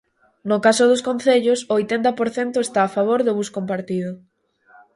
No caso dos concellos, o oitenta por cento está a favor do bus compartido.